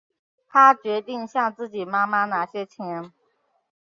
她决定向自己妈妈拿些钱